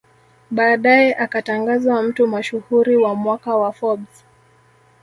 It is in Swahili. Baadae akatangazwa mtu mashuhuri wa mwaka wa Forbes